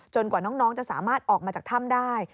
กว่าน้องจะสามารถออกมาจากถ้ำได้